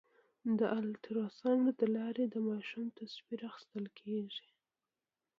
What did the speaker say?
د الټراساونډ له لارې د ماشوم تصویر اخیستل کېږي.